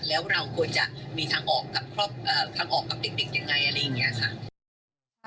แล้วเราควรจะมีทางออกทางออกกับเด็กยังไงอะไรอย่างนี้ค่ะ